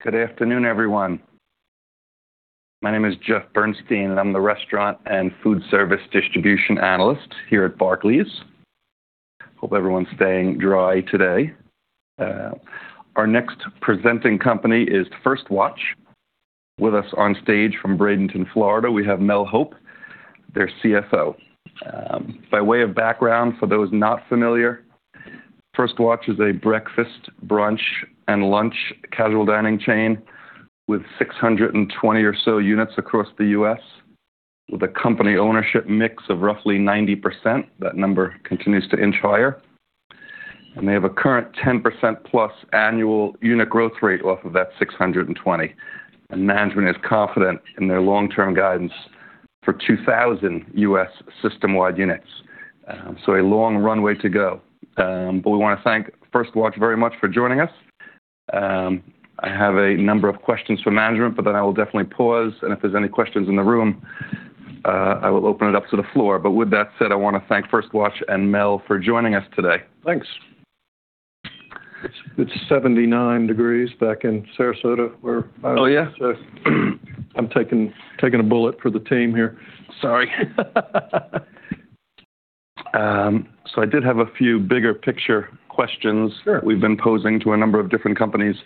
Good afternoon, everyone. My name is Jeff Bernstein, and I'm the restaurant and food service distribution analyst here at Barclays. Hope everyone's staying dry today. Our next presenting company is First Watch. With us on stage from Bradenton, Florida, we have Mel Hope, their CFO. By way of background for those not familiar, First Watch is a breakfast, brunch, and lunch casual dining chain with 620 or so units across the U.S., with a company ownership mix of roughly 90%. That number continues to inch higher. They have a current 10%+ annual unit growth rate off of that 620. Management is confident in their long-term guidance for 2,000 U.S. system-wide units. A long runway to go. We want to thank First Watch very much for joining us. I have a number of questions for management, but then I will definitely pause. If there's any questions in the room, I will open it up to the floor. With that said, I want to thank First Watch and Mel for joining us today. Thanks. It's 79 degrees back in Sarasota. Oh, yeah? I'm taking a bullet for the team here. Sorry. I did have a few bigger picture questions we've been posing to a number of different companies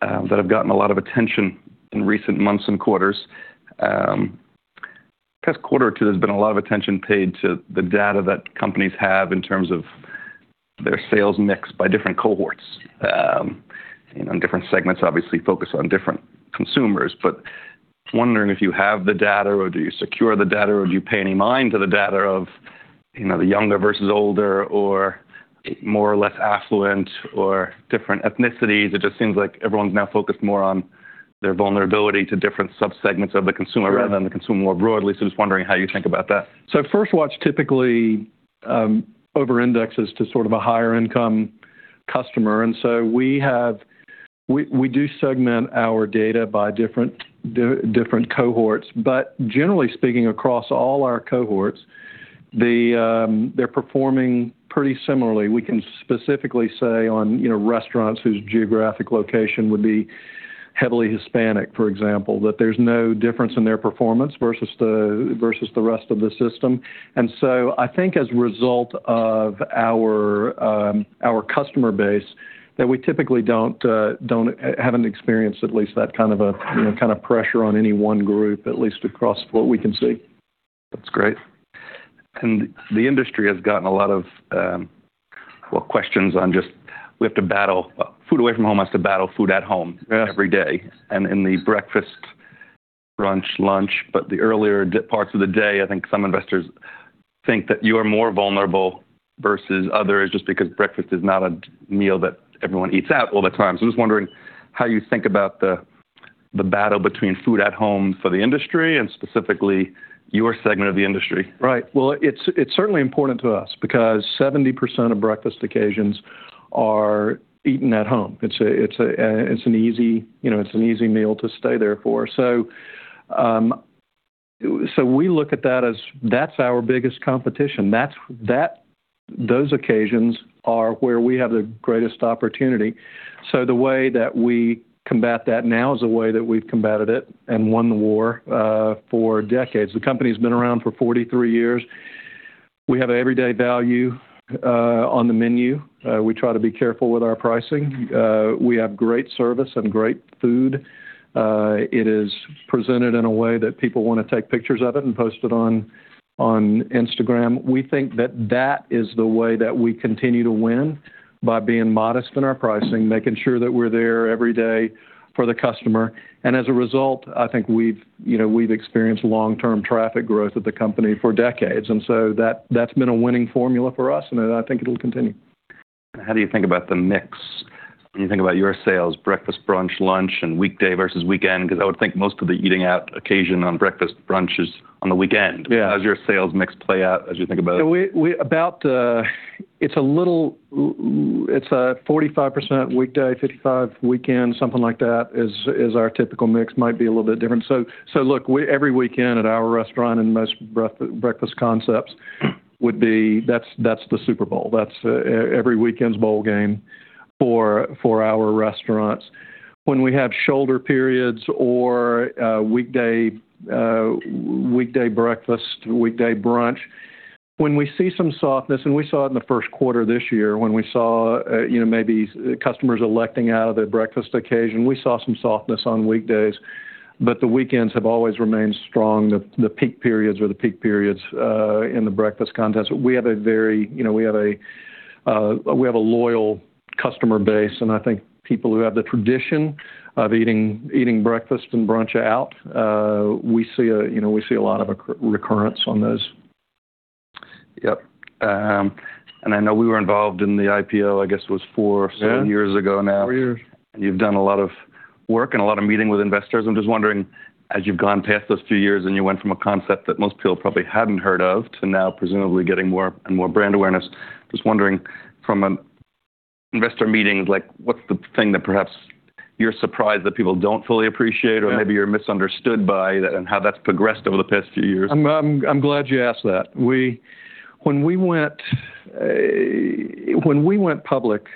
that have gotten a lot of attention in recent months and quarters. The past quarter or two, there's been a lot of attention paid to the data that companies have in terms of their sales mix by different cohorts. And different segments, obviously, focus on different consumers. Wondering if you have the data, or do you secure the data, or do you pay any mind to the data of the younger versus older, or more or less affluent, or different ethnicities. It just seems like everyone's now focused more on their vulnerability to different subsegments of the consumer rather than the consumer more broadly. Just wondering how you think about that. First Watch typically over-indexes to sort of a higher-income customer. We do segment our data by different cohorts. Generally speaking, across all our cohorts, they're performing pretty similarly. We can specifically say on restaurants whose geographic location would be heavily Hispanic, for example, that there's no difference in their performance versus the rest of the system. I think as a result of our customer base, we typically don't, haven't experienced at least, that kind of pressure on any one group, at least across what we can see. That's great. The industry has gotten a lot of, well, questions on just we have to battle food away from home has to battle food at home every day. In the breakfast, brunch, lunch, but the earlier parts of the day, I think some investors think that you are more vulnerable versus others just because breakfast is not a meal that everyone eats out all the time. I'm just wondering how you think about the battle between food at home for the industry and specifically your segment of the industry. Right. It is certainly important to us because 70% of breakfast occasions are eaten at home. It is an easy meal to stay there for. We look at that as our biggest competition. Those occasions are where we have the greatest opportunity. The way that we combat that now is the way that we have combated it and won the war for decades. The company has been around for 43 years. We have everyday value on the menu. We try to be careful with our pricing. We have great service and great food. It is presented in a way that people want to take pictures of it and post it on Instagram. We think that is the way that we continue to win by being modest in our pricing, making sure that we are there every day for the customer. I think we've experienced long-term traffic growth at the company for decades. That's been a winning formula for us, and I think it'll continue. How do you think about the mix? When you think about your sales, breakfast, brunch, lunch, and weekday versus weekend, because I would think most of the eating out occasion on breakfast, brunch is on the weekend. How does your sales mix play out as you think about it? It's a little, it's a 45% weekday, 55% weekend, something like that is our typical mix. Might be a little bit different. Look, every weekend at our restaurant and most breakfast concepts would be, that's the Super Bowl. That's every weekend's bowl game for our restaurants. When we have shoulder periods or weekday breakfast, weekday brunch, when we see some softness, and we saw it in the first quarter this year when we saw maybe customers electing out of their breakfast occasion, we saw some softness on weekdays. The weekends have always remained strong. The peak periods are the peak periods in the breakfast contest. We have a very, we have a loyal customer base. I think people who have the tradition of eating breakfast and brunch out, we see a lot of a recurrence on those. Yep. I know we were involved in the IPO, I guess it was four or so years ago now. Four years. You've done a lot of work and a lot of meeting with investors. I'm just wondering, as you've gone past those few years and you went from a concept that most people probably hadn't heard of to now presumably getting more and more brand awareness, just wondering from an investor meeting, what's the thing that perhaps you're surprised that people don't fully appreciate or maybe you're misunderstood by and how that's progressed over the past few years? I'm glad you asked that. When we went public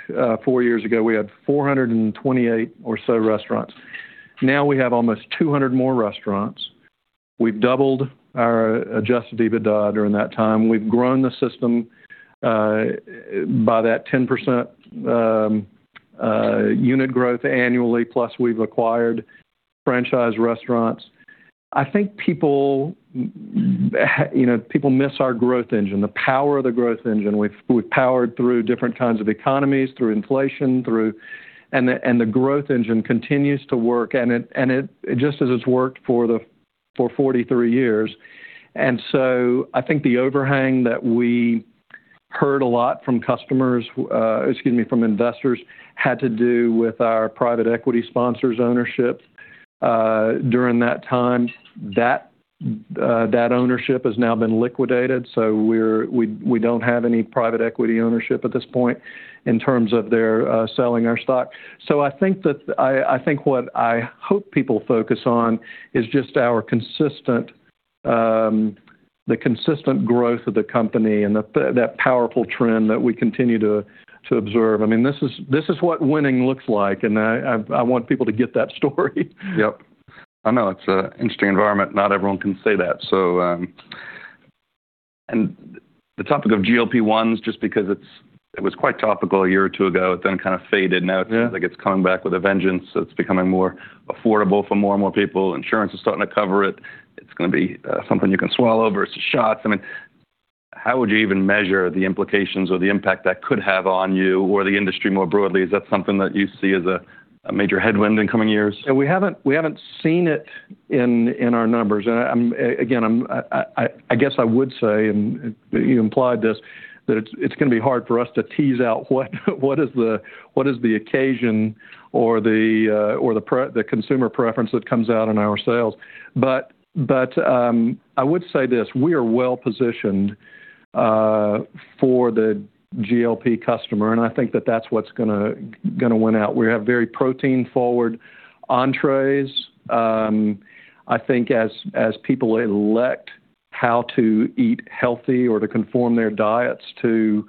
four years ago, we had 428 or so restaurants. Now we have almost 200 more restaurants. We've doubled our adjusted EBITDA during that time. We've grown the system by that 10% unit growth annually, plus we've acquired franchise restaurants. I think people miss our growth engine, the power of the growth engine. We've powered through different kinds of economies, through inflation, and the growth engine continues to work, just as it's worked for 43 years. I think the overhang that we heard a lot from customers, excuse me, from investors had to do with our private equity sponsors' ownership during that time. That ownership has now been liquidated. We don't have any private equity ownership at this point in terms of they're selling our stock. I think what I hope people focus on is just the consistent growth of the company and that powerful trend that we continue to observe. I mean, this is what winning looks like. And I want people to get that story. Yep. I know it's an interesting environment. Not everyone can say that. The topic of GLP-1s, just because it was quite topical a year or two ago, it then kind of faded. Now it seems like it's coming back with a vengeance. It's becoming more affordable for more and more people. Insurance is starting to cover it. It's going to be something you can swallow versus shots. I mean, how would you even measure the implications or the impact that could have on you or the industry more broadly? Is that something that you see as a major headwind in coming years? Yeah, we haven't seen it in our numbers. I guess I would say, and you implied this, that it's going to be hard for us to tease out what is the occasion or the consumer preference that comes out in our sales. I would say this: we are well positioned for the GLP customer. I think that that's what's going to win out. We have very protein-forward entrees. I think as people elect how to eat healthy or to conform their diets to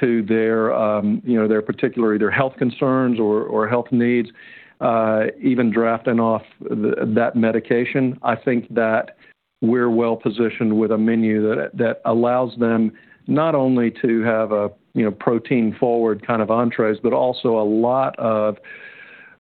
their particular either health concerns or health needs, even drafting off that medication, I think that we're well positioned with a menu that allows them not only to have protein-forward kind of entrees, but also a lot of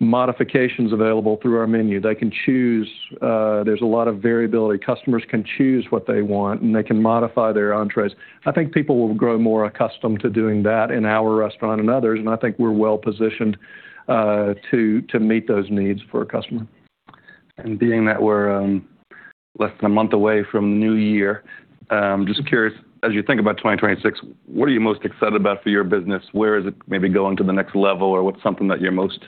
modifications available through our menu. They can choose. There's a lot of variability. Customers can choose what they want, and they can modify their entrees. I think people will grow more accustomed to doing that in our restaurant and others. I think we're well positioned to meet those needs for a customer. Being that we're less than a month away from the new year, I'm just curious, as you think about 2026, what are you most excited about for your business? Where is it maybe going to the next level, or what's something that you're most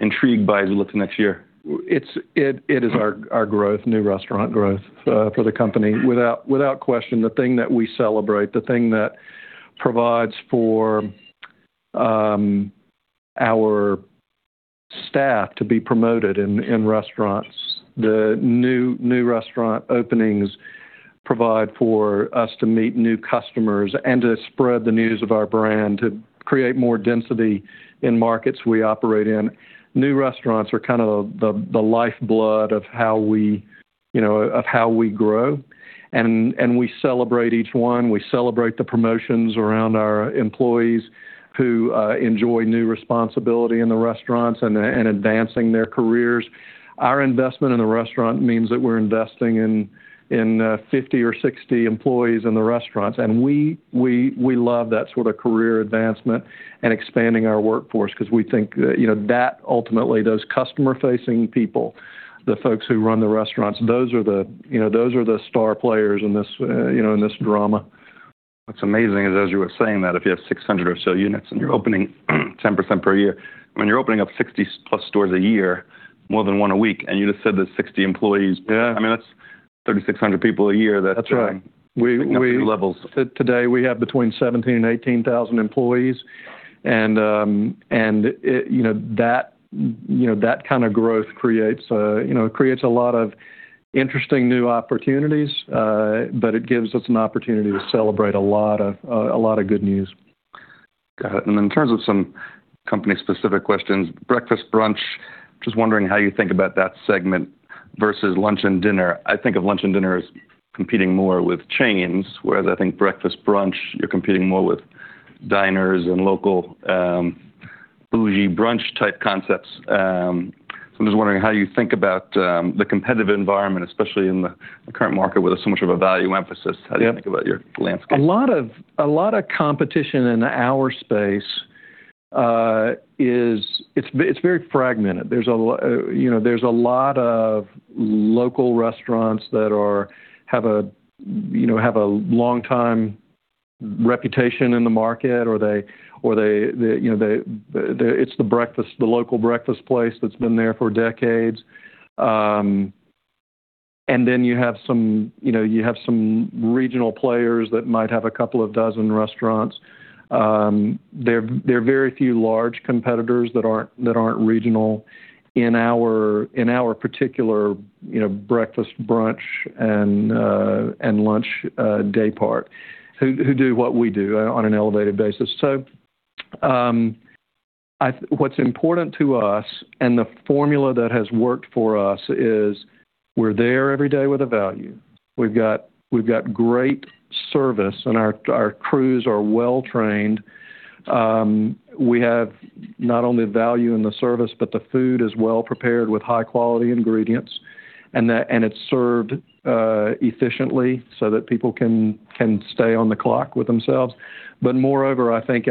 intrigued by as you look to next year? It is our growth, new restaurant growth for the company. Without question, the thing that we celebrate, the thing that provides for our staff to be promoted in restaurants, the new restaurant openings provide for us to meet new customers and to spread the news of our brand, to create more density in markets we operate in. New restaurants are kind of the lifeblood of how we grow. We celebrate each one. We celebrate the promotions around our employees who enjoy new responsibility in the restaurants and advancing their careers. Our investment in the restaurant means that we're investing in 50 or 60 employees in the restaurants. We love that sort of career advancement and expanding our workforce because we think that ultimately, those customer-facing people, the folks who run the restaurants, those are the star players in this drama. What's amazing is, as you were saying, that if you have 600 or so units and you're opening 10% per year, when you're opening up 60-plus stores a year, more than one a week, and you just said there's 60 employees. Yeah. I mean, that's 3,600 people a year. That's right. That's two levels. Today, we have between 17,000 and 18,000 employees. That kind of growth creates a lot of interesting new opportunities, but it gives us an opportunity to celebrate a lot of good news. Got it. In terms of some company-specific questions, breakfast, brunch, just wondering how you think about that segment versus lunch and dinner. I think of lunch and dinner as competing more with chains, whereas I think breakfast, brunch, you're competing more with diners and local bougie brunch-type concepts. I'm just wondering how you think about the competitive environment, especially in the current market with so much of a value emphasis. How do you think about your landscape? A lot of competition in our space is it's very fragmented. There are a lot of local restaurants that have a long-time reputation in the market, or it's the local breakfast place that's been there for decades. You have some regional players that might have a couple of dozen restaurants. There are very few large competitors that aren't regional in our particular breakfast, brunch, and lunch day part who do what we do on an elevated basis. What's important to us and the formula that has worked for us is we're there every day with a value. We've got great service, and our crews are well trained. We have not only value in the service, but the food is well prepared with high-quality ingredients, and it's served efficiently so that people can stay on the clock with themselves. Moreover, I think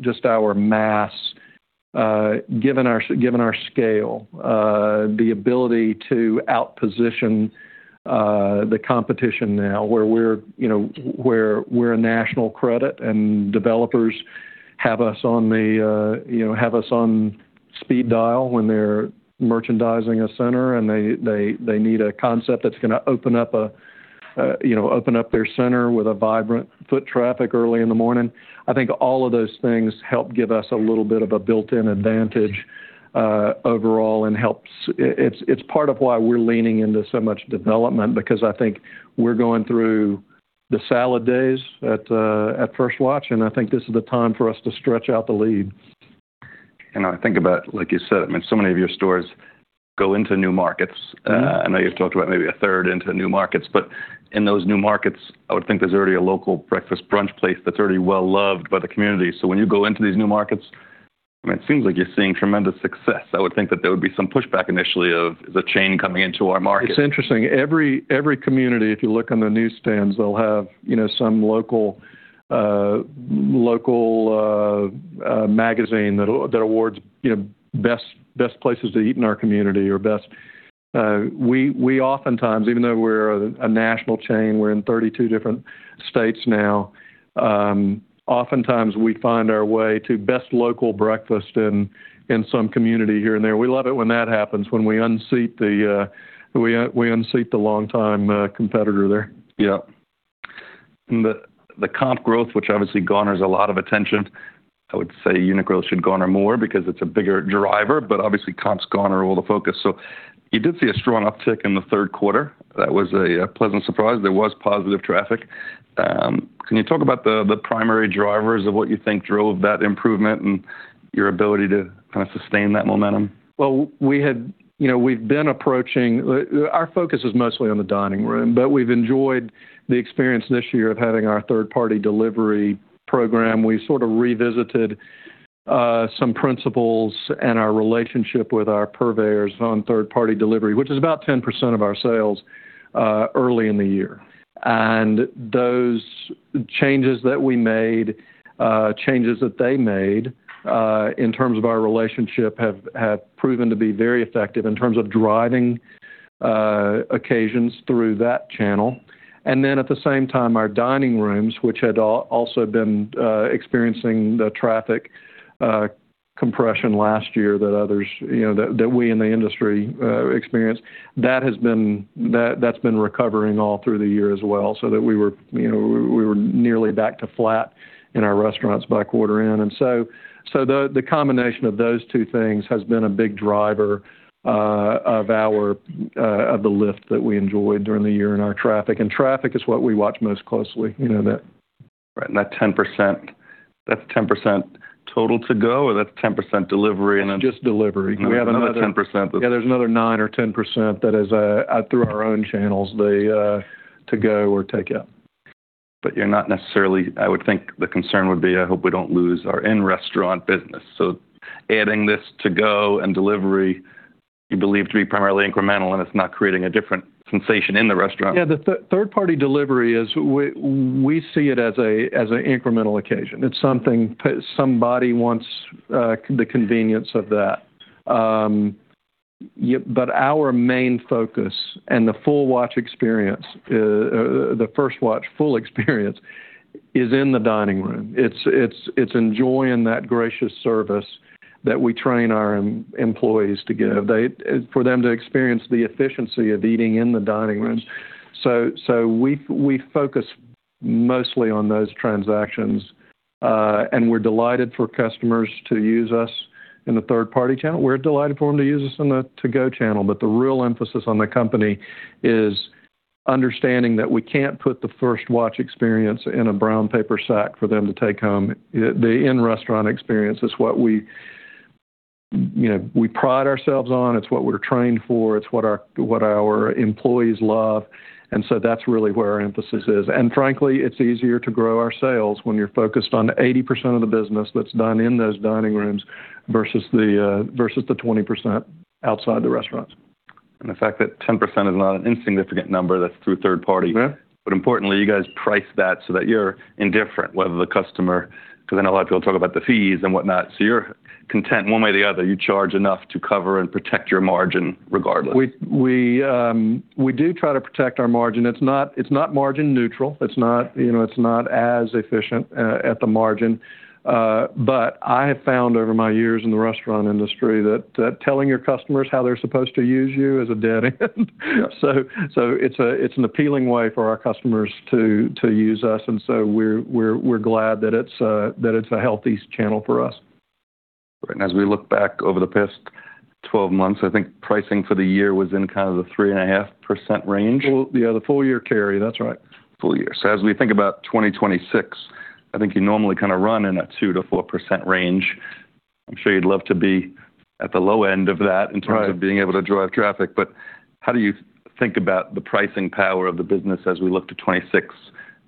just our mass, given our scale, the ability to out-position the competition now where we're a national credit and developers have us on speed dial when they're merchandising a center and they need a concept that's going to open up their center with vibrant foot traffic early in the morning. I think all of those things help give us a little bit of a built-in advantage overall and helps. It's part of why we're leaning into so much development because I think we're going through the salad days at First Watch, and I think this is the time for us to stretch out the lead. I think about, like you said, I mean, so many of your stores go into new markets. I know you've talked about maybe a third into new markets. In those new markets, I would think there's already a local breakfast, brunch place that's already well loved by the community. When you go into these new markets, I mean, it seems like you're seeing tremendous success. I would think that there would be some pushback initially of, "Is a chain coming into our market? It's interesting. Every community, if you look on the newsstands, they'll have some local magazine that awards best places to eat in our community or best. We oftentimes, even though we're a national chain, we're in 32 different states now. Oftentimes, we find our way to best local breakfast in some community here and there. We love it when that happens, when we unseat the long-time competitor there. Yep. The comp growth, which obviously garners a lot of attention, I would say unit growth should garner more because it's a bigger driver, but obviously, comps garner all the focus. You did see a strong uptick in the third quarter. That was a pleasant surprise. There was positive traffic. Can you talk about the primary drivers of what you think drove that improvement and your ability to kind of sustain that momentum? We have been approaching our focus is mostly on the dining room, but we have enjoyed the experience this year of having our third-party delivery program. We sort of revisited some principles and our relationship with our purveyors on third-party delivery, which is about 10% of our sales early in the year. Those changes that we made, changes that they made in terms of our relationship have proven to be very effective in terms of driving occasions through that channel. At the same time, our dining rooms, which had also been experiencing the traffic compression last year that we in the industry experienced, that has been recovering all through the year as well so that we were nearly back to flat in our restaurants by quarter end. The combination of those two things has been a big driver of the lift that we enjoyed during the year in our traffic. Traffic is what we watch most closely. Right. And that 10%, that's 10% total to go, or that's 10% delivery and then. Just delivery. We have another 10% that's. Yeah, there's another 9% or 10% that is through our own channels, the to-go or take-out. You're not necessarily, I would think the concern would be, "I hope we don't lose our in-restaurant business." Adding this to-go and delivery, you believe to be primarily incremental, and it's not creating a different sensation in the restaurant. Yeah. The third-party delivery is we see it as an incremental occasion. It's something somebody wants the convenience of that. Our main focus and the First Watch full experience is in the dining room. It's enjoying that gracious service that we train our employees to give for them to experience the efficiency of eating in the dining room. We focus mostly on those transactions, and we're delighted for customers to use us in the third-party channel. We're delighted for them to use us in the to-go channel. The real emphasis on the company is understanding that we can't put the First Watch experience in a brown paper sack for them to take home. The in-restaurant experience is what we pride ourselves on. It's what we're trained for. It's what our employees love. That's really where our emphasis is. Frankly, it's easier to grow our sales when you're focused on 80% of the business that's done in those dining rooms versus the 20% outside the restaurants. The fact that 10% is not an insignificant number, that's through third-party. Importantly, you guys price that so that you're indifferent whether the customer, because I know a lot of people talk about the fees and whatnot. You're content one way or the other. You charge enough to cover and protect your margin regardless. We do try to protect our margin. It's not margin neutral. It's not as efficient at the margin. I have found over my years in the restaurant industry that telling your customers how they're supposed to use you is a dead end. It's an appealing way for our customers to use us. We're glad that it's a healthy channel for us. Right. As we look back over the past 12 months, I think pricing for the year was in kind of the 3.5% range. Yeah, the full-year carry, that's right. Full year. As we think about 2026, I think you normally kind of run in a 2-4% range. I'm sure you'd love to be at the low end of that in terms of being able to drive traffic. How do you think about the pricing power of the business as we look to 2026,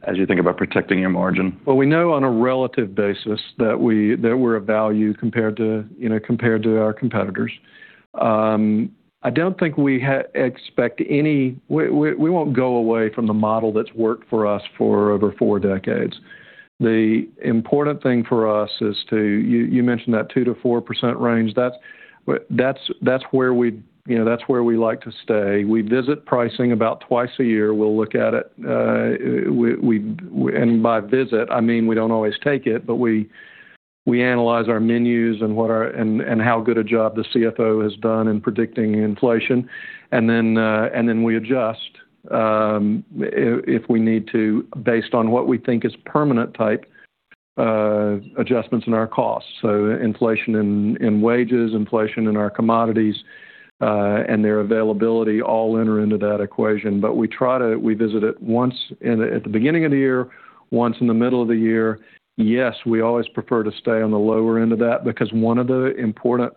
as you think about protecting your margin? We know on a relative basis that we're a value compared to our competitors. I don't think we expect any we won't go away from the model that's worked for us for over four decades. The important thing for us is to you mentioned that 2-4% range. That's where we like to stay. We visit pricing about twice a year. We'll look at it. And by visit, I mean we don't always take it, but we analyze our menus and how good a job the CFO has done in predicting inflation. Then we adjust if we need to based on what we think is permanent-type adjustments in our costs. Inflation in wages, inflation in our commodities, and their availability all enter into that equation. We visit it once at the beginning of the year, once in the middle of the year. Yes, we always prefer to stay on the lower end of that because one of the important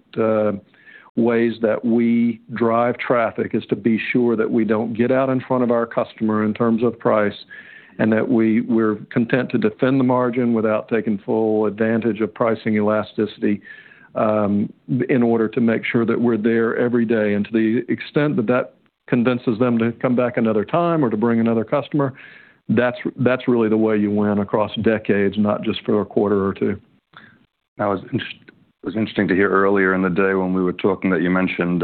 ways that we drive traffic is to be sure that we don't get out in front of our customer in terms of price and that we're content to defend the margin without taking full advantage of pricing elasticity in order to make sure that we're there every day. To the extent that that convinces them to come back another time or to bring another customer, that's really the way you win across decades, not just for a quarter or two. That was interesting to hear earlier in the day when we were talking that you mentioned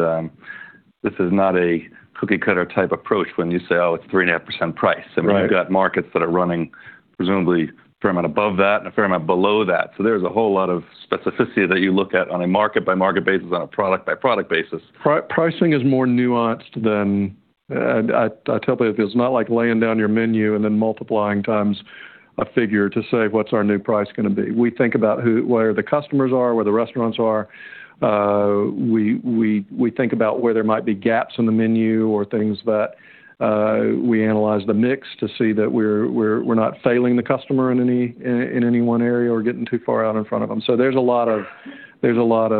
this is not a cookie-cutter-type approach when you say, "Oh, it's 3.5% price." I mean, you've got markets that are running presumably a fair amount above that and a fair amount below that. There is a whole lot of specificity that you look at on a market-by-market basis and a product-by-product basis. Pricing is more nuanced than I tell people. It's not like laying down your menu and then multiplying times a figure to say, "What's our new price going to be?" We think about where the customers are, where the restaurants are. We think about where there might be gaps in the menu or things that we analyze the mix to see that we're not failing the customer in any one area or getting too far out in front of them. There is a lot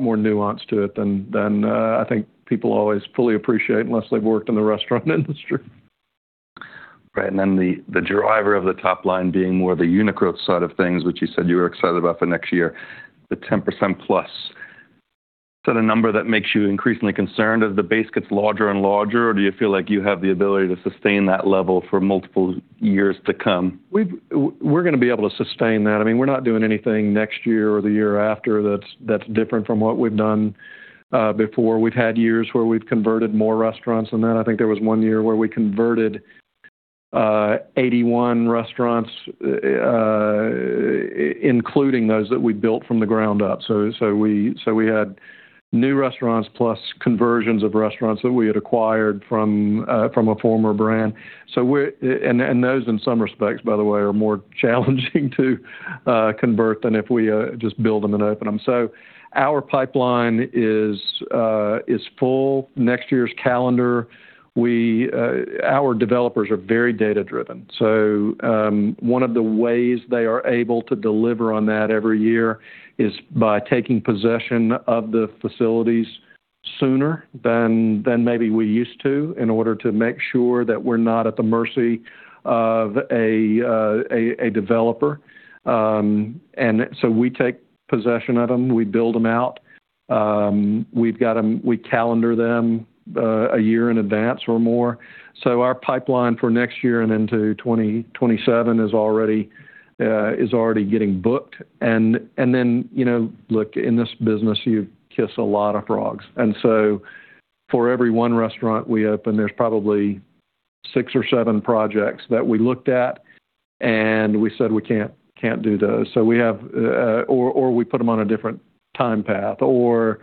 more nuance to it than I think people always fully appreciate unless they've worked in the restaurant industry. Right. The driver of the top line being more the unit growth side of things, which you said you were excited about for next year, the 10% plus. Is that a number that makes you increasingly concerned as the base gets larger and larger, or do you feel like you have the ability to sustain that level for multiple years to come? We're going to be able to sustain that. I mean, we're not doing anything next year or the year after that's different from what we've done before. We've had years where we've converted more restaurants than that. I think there was one year where we converted 81 restaurants, including those that we built from the ground up. We had new restaurants plus conversions of restaurants that we had acquired from a former brand. Those, in some respects, by the way, are more challenging to convert than if we just build them and open them. Our pipeline is full. Next year's calendar, our developers are very data-driven. One of the ways they are able to deliver on that every year is by taking possession of the facilities sooner than maybe we used to in order to make sure that we're not at the mercy of a developer. We take possession of them. We build them out. We calendar them a year in advance or more. Our pipeline for next year and into 2027 is already getting booked. In this business, you kiss a lot of frogs. For every one restaurant we open, there's probably six or seven projects that we looked at and we said, "We can't do those." We have or we put them on a different time path, or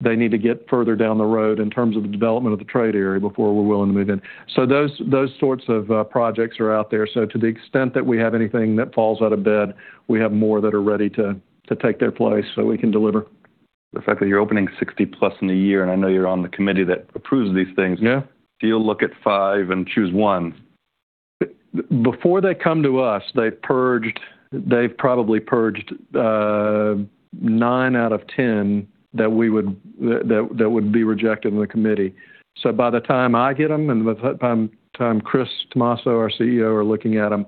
they need to get further down the road in terms of the development of the trade area before we're willing to move in. Those sorts of projects are out there. To the extent that we have anything that falls out of bed, we have more that are ready to take their place so we can deliver. The fact that you're opening 60-plus in a year, and I know you're on the committee that approves these things. Do you look at five and choose one? Before they come to us, they've probably purged 9 out of 10 that would be rejected in the committee. By the time I get them and by the time Chris Tomasso, our CEO, are looking at them,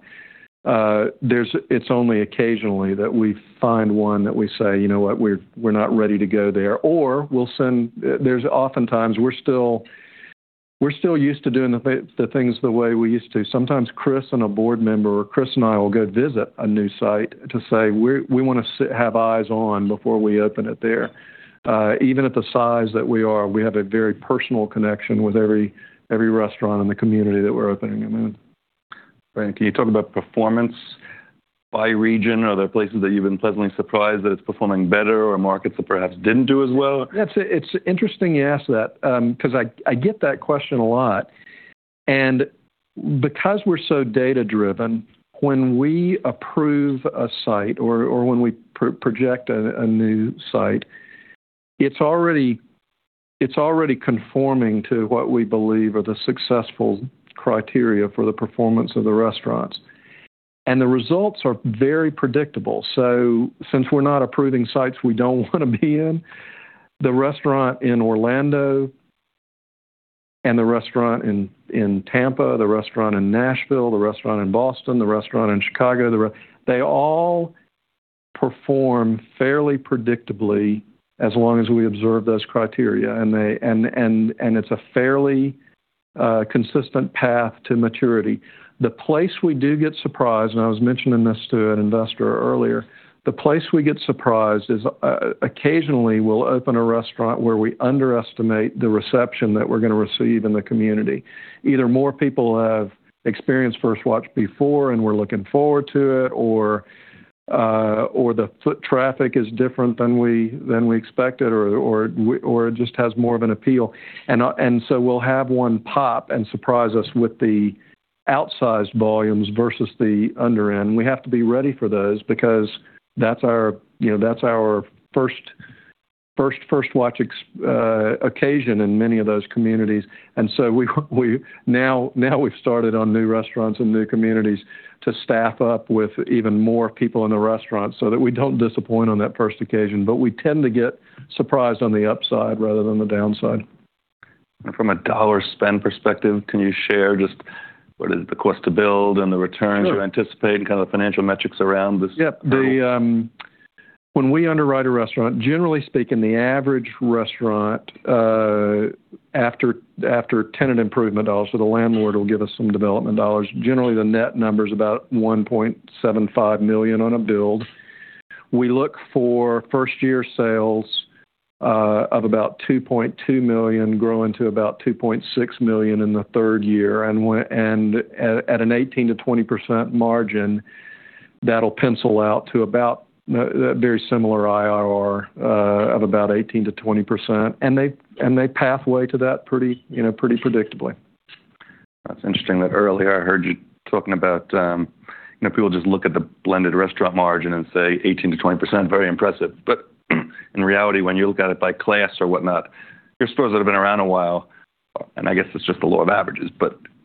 it's only occasionally that we find one that we say, "You know what? We're not ready to go there." Or there's oftentimes we're still used to doing the things the way we used to. Sometimes Chris and a board member or Chris and I will go visit a new site to say, "We want to have eyes on before we open it there." Even at the size that we are, we have a very personal connection with every restaurant in the community that we're opening them in. Right. Can you talk about performance by region? Are there places that you've been pleasantly surprised that it's performing better or markets that perhaps didn't do as well? It's interesting you ask that because I get that question a lot. Because we're so data-driven, when we approve a site or when we project a new site, it's already conforming to what we believe are the successful criteria for the performance of the restaurants. The results are very predictable. Since we're not approving sites we don't want to be in, the restaurant in Orlando and the restaurant in Tampa, the restaurant in Nashville, the restaurant in Boston, the restaurant in Chicago, they all perform fairly predictably as long as we observe those criteria. It's a fairly consistent path to maturity. The place we do get surprised, and I was mentioning this to an investor earlier, the place we get surprised is occasionally we'll open a restaurant where we underestimate the reception that we're going to receive in the community. Either more people have experienced First Watch before, and we're looking forward to it, or the foot traffic is different than we expected, or it just has more of an appeal. We'll have one pop and surprise us with the outsized volumes versus the under-end. We have to be ready for those because that's our first First Watch occasion in many of those communities. Now we've started on new restaurants and new communities to staff up with even more people in the restaurant so that we don't disappoint on that first occasion. We tend to get surprised on the upside rather than the downside. From a dollar spend perspective, can you share just what is the cost to build and the returns you anticipate and kind of the financial metrics around this? Yeah. When we underwrite a restaurant, generally speaking, the average restaurant after tenant improvement dollars, so the landlord will give us some development dollars, generally the net number is about $1.75 million on a build. We look for first-year sales of about $2.2 million growing to about $2.6 million in the third year. At an 18%-20% margin, that'll pencil out to about a very similar IRR of about 18%-20%. They pathway to that pretty predictably. That's interesting that earlier I heard you talking about people just look at the blended restaurant margin and say 18%-20%, very impressive. In reality, when you look at it by class or whatnot, your stores that have been around a while, and I guess it's just the law of averages,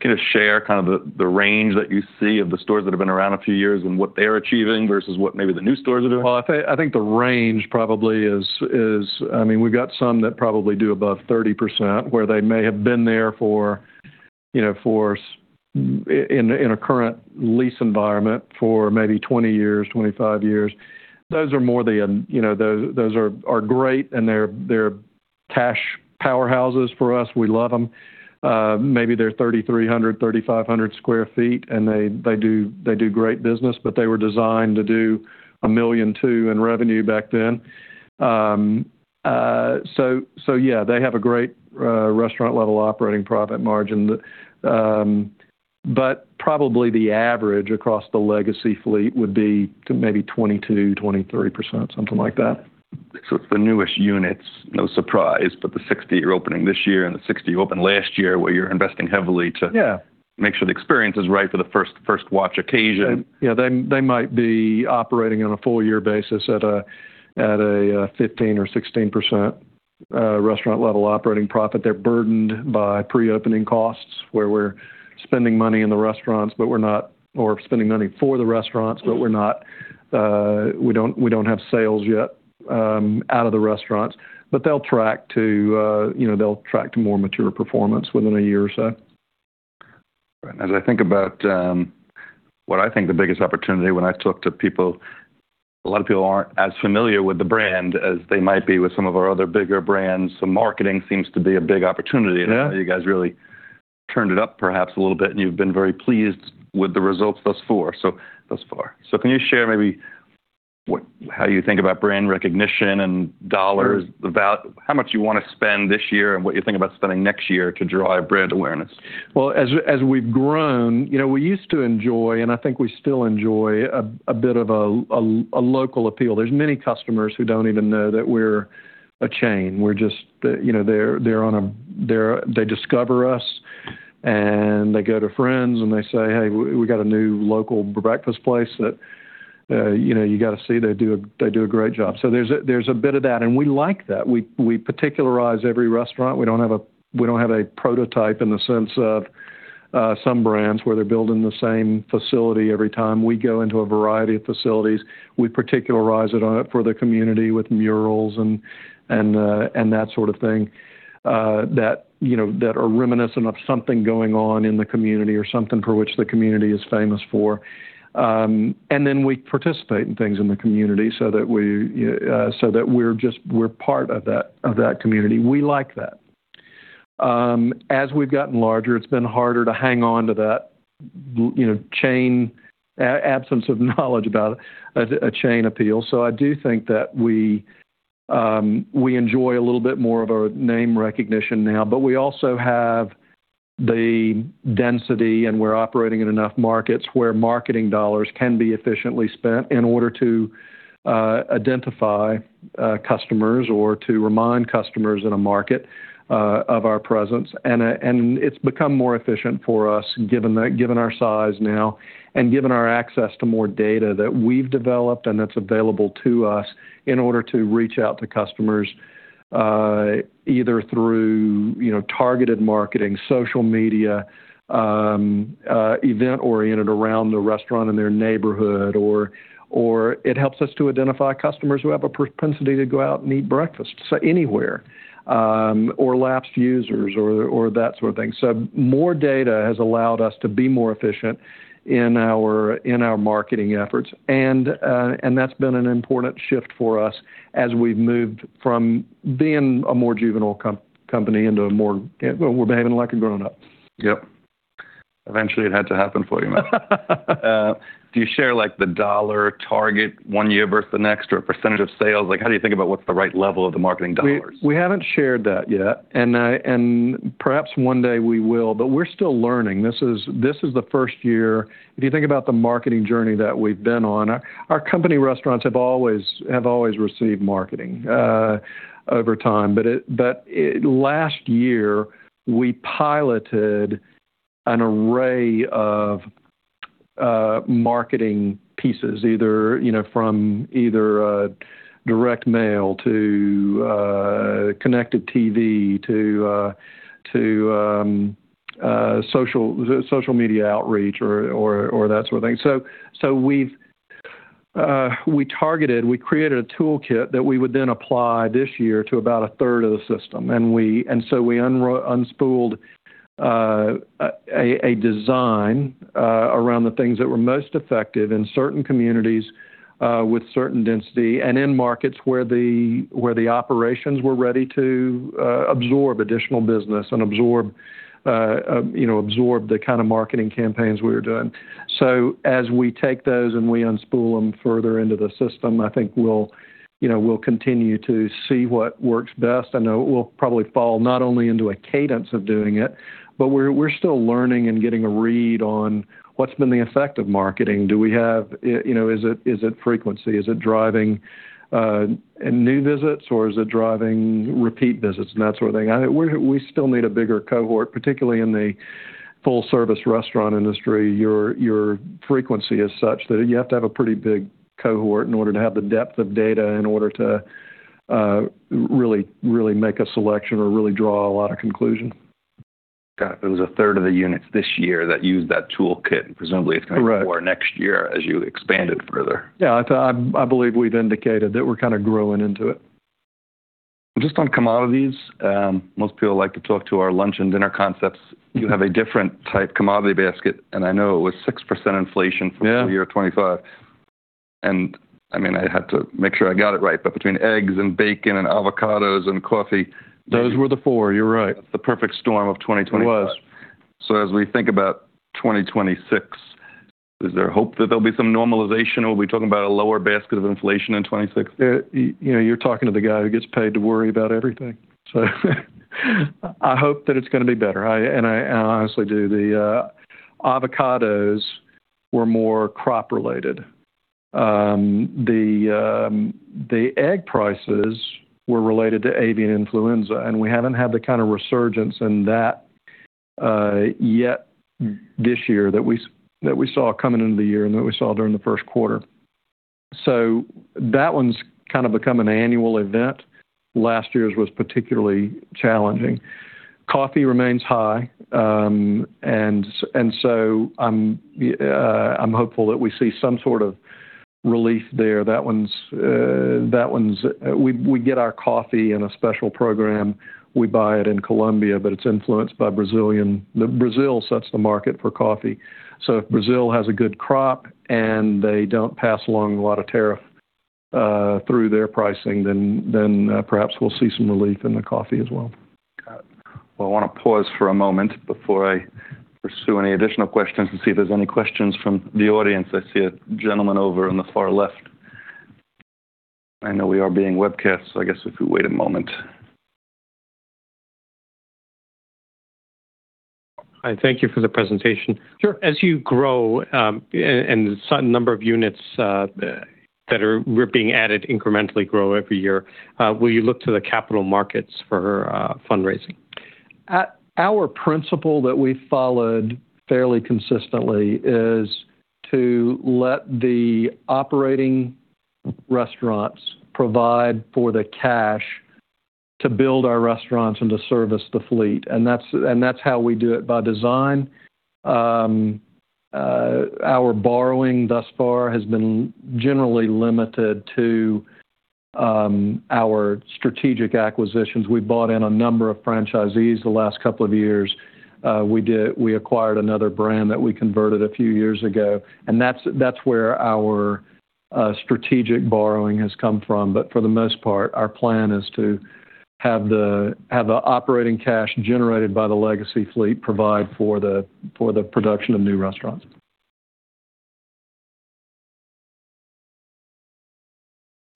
can you share kind of the range that you see of the stores that have been around a few years and what they're achieving versus what maybe the new stores are doing? I think the range probably is, I mean, we've got some that probably do above 30% where they may have been there in a current lease environment for maybe 20 years, 25 years. Those are more the, those are great, and they're cash powerhouses for us. We love them. Maybe they're 3,300-3,500 sq ft, and they do great business, but they were designed to do a million two in revenue back then. They have a great restaurant-level operating profit margin. Probably the average across the legacy fleet would be maybe 22-23%, something like that. It's the newest units, no surprise, but the 60 you're opening this year and the 60 you opened last year where you're investing heavily to make sure the experience is right for the First Watch occasion. Yeah. They might be operating on a full year basis at a 15% or 16% restaurant-level operating profit. They're burdened by pre-opening costs where we're spending money in the restaurants but we're not or spending money for the restaurants, but we don't have sales yet out of the restaurants. They'll track to more mature performance within a year or so. As I think about what I think the biggest opportunity when I talk to people, a lot of people aren't as familiar with the brand as they might be with some of our other bigger brands. Marketing seems to be a big opportunity. You guys really turned it up perhaps a little bit, and you've been very pleased with the results thus far. Can you share maybe how you think about brand recognition and dollars, how much you want to spend this year and what you think about spending next year to drive brand awareness? As we've grown, we used to enjoy, and I think we still enjoy, a bit of a local appeal. There are many customers who do not even know that we are a chain. They discover us, and they go to friends, and they say, "Hey, we got a new local breakfast place that you got to see. They do a great job." There is a bit of that. We like that. We particularize every restaurant. We do not have a prototype in the sense of some brands where they are building the same facility every time. We go into a variety of facilities. We particularize it for the community with murals and that sort of thing that are reminiscent of something going on in the community or something for which the community is famous for. We participate in things in the community so that we're part of that community. We like that. As we've gotten larger, it's been harder to hang on to that absence of knowledge about a chain appeal. I do think that we enjoy a little bit more of our name recognition now. We also have the density, and we're operating in enough markets where marketing dollars can be efficiently spent in order to identify customers or to remind customers in a market of our presence. It has become more efficient for us given our size now and given our access to more data that we've developed and that's available to us in order to reach out to customers either through targeted marketing, social media, event-oriented around the restaurant in their neighborhood, or it helps us to identify customers who have a propensity to go out and eat breakfast anywhere or lapsed users or that sort of thing. More data has allowed us to be more efficient in our marketing efforts. That has been an important shift for us as we've moved from being a more juvenile company into a more we're behaving like a grown-up. Yep. Eventually, it had to happen for you, man. Do you share the dollar target, one year versus the next, or a percentage of sales? How do you think about what's the right level of the marketing dollars? We have not shared that yet. Perhaps one day we will. We are still learning. This is the first year. If you think about the marketing journey that we have been on, our company restaurants have always received marketing over time. Last year, we piloted an array of marketing pieces either from direct mail to connected TV to social media outreach or that sort of thing. We created a toolkit that we would then apply this year to about a third of the system. We unspooled a design around the things that were most effective in certain communities with certain density and in markets where the operations were ready to absorb additional business and absorb the kind of marketing campaigns we were doing. As we take those and we unspool them further into the system, I think we will continue to see what works best. I know it will probably fall not only into a cadence of doing it, but we're still learning and getting a read on what's been the effect of marketing. Is it frequency? Is it driving new visits, or is it driving repeat visits and that sort of thing? We still need a bigger cohort, particularly in the full-service restaurant industry. Your frequency is such that you have to have a pretty big cohort in order to have the depth of data in order to really make a selection or really draw a lot of conclusions. Got it. It was a third of the units this year that used that toolkit. Presumably, it's going to go forward next year as you expand it further. Yeah. I believe we've indicated that we're kind of growing into it. Just on commodities, most people like to talk to our lunch and dinner concepts. You have a different type commodity basket, and I know it was 6% inflation for the year 2025. I mean, I had to make sure I got it right. But between eggs and bacon and avocados and coffee. Those were the four. You're right. That's the perfect storm of 2025. It was. As we think about 2026, is there hope that there'll be some normalization, or will we be talking about a lower basket of inflation in 2026? You're talking to the guy who gets paid to worry about everything. I hope that it's going to be better. I honestly do. The avocados were more crop-related. The egg prices were related to avian influenza, and we haven't had the kind of resurgence in that yet this year that we saw coming into the year and that we saw during the first quarter. That one's kind of become an annual event. Last year's was particularly challenging. Coffee remains high. I'm hopeful that we see some sort of relief there. We get our coffee in a special program. We buy it in Colombia, but it's influenced by Brazil. Brazil sets the market for coffee. If Brazil has a good crop and they don't pass along a lot of tariff through their pricing, then perhaps we'll see some relief in the coffee as well. Got it. I want to pause for a moment before I pursue any additional questions and see if there's any questions from the audience. I see a gentleman over on the far left. I know we are being webcast, so I guess if we wait a moment. Hi. Thank you for the presentation. As you grow and a certain number of units that are being added incrementally grow every year, will you look to the capital markets for fundraising? Our principle that we followed fairly consistently is to let the operating restaurants provide for the cash to build our restaurants and to service the fleet. That is how we do it by design. Our borrowing thus far has been generally limited to our strategic acquisitions. We bought in a number of franchisees the last couple of years. We acquired another brand that we converted a few years ago. That is where our strategic borrowing has come from. For the most part, our plan is to have the operating cash generated by the legacy fleet provide for the production of new restaurants.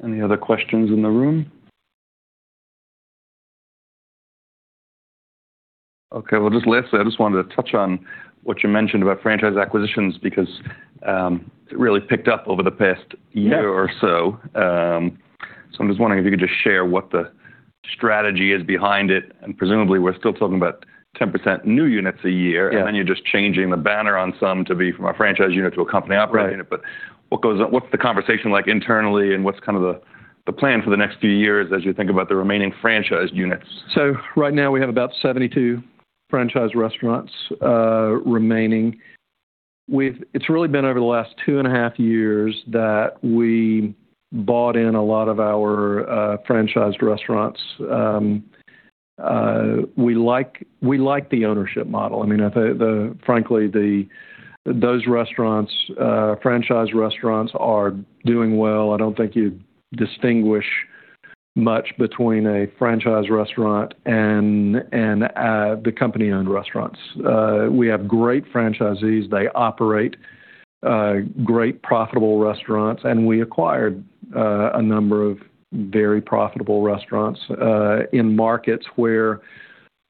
Any other questions in the room? Okay. Lastly, I just wanted to touch on what you mentioned about franchise acquisitions because it really picked up over the past year or so. I am just wondering if you could just share what the strategy is behind it. Presumably, we are still talking about 10% new units a year, and then you are just changing the banner on some to be from a franchise unit to a company operating unit. What is the conversation like internally, and what is kind of the plan for the next few years as you think about the remaining franchise units? Right now, we have about 72 franchise restaurants remaining. It's really been over the last two and a half years that we bought in a lot of our franchised restaurants. We like the ownership model. I mean, frankly, those franchise restaurants are doing well. I don't think you distinguish much between a franchise restaurant and the company-owned restaurants. We have great franchisees. They operate great profitable restaurants. We acquired a number of very profitable restaurants in markets where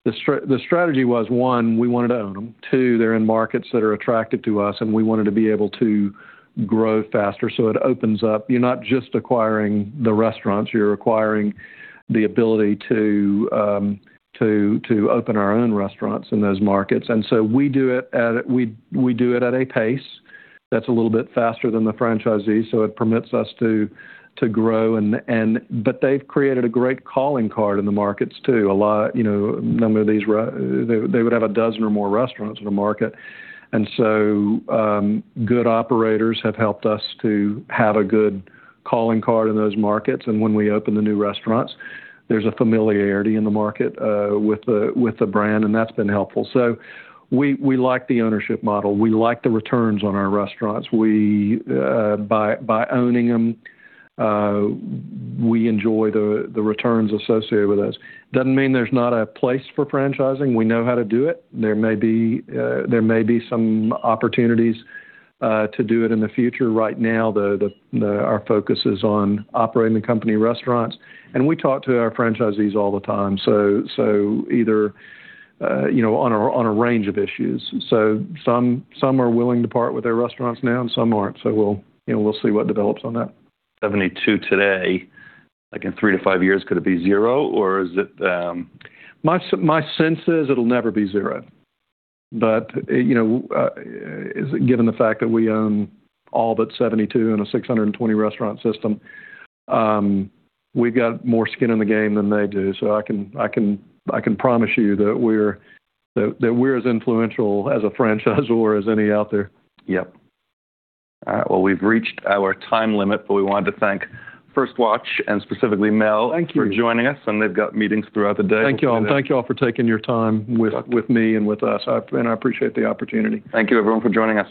the strategy was, one, we wanted to own them. Two, they're in markets that are attractive to us, and we wanted to be able to grow faster. It opens up. You're not just acquiring the restaurants. You're acquiring the ability to open our own restaurants in those markets. We do it at a pace that's a little bit faster than the franchisees, so it permits us to grow. They have created a great calling card in the markets too. A number of these would have a dozen or more restaurants in a market. Good operators have helped us to have a good calling card in those markets. When we open the new restaurants, there is a familiarity in the market with the brand, and that has been helpful. We like the ownership model. We like the returns on our restaurants. By owning them, we enjoy the returns associated with those. That does not mean there is not a place for franchising. We know how to do it. There may be some opportunities to do it in the future. Right now, our focus is on operating the company restaurants. We talk to our franchisees all the time, either on a range of issues. Some are willing to part with their restaurants now, and some aren't. We'll see what develops on that. 72 today, like in three to five years, could it be zero, or is it? My sense is it'll never be zero. Given the fact that we own all but 72 in a 620 restaurant system, we've got more skin in the game than they do. I can promise you that we're as influential as a franchisor as any out there. All right. We've reached our time limit, but we wanted to thank First Watch and specifically Mel for joining us. Thank you. They've got meetings throughout the day. Thank you all. Thank you all for taking your time with me and with us. I appreciate the opportunity. Thank you, everyone, for joining us.